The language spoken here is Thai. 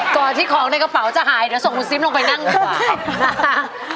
ก่อนที่ของในกระเป๋าจะหายเดี๋ยวส่งคุณซิมลงไปนั่งดีกว่านะคะ